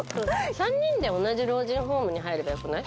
３人で同じ老人ホームに入ればよくない？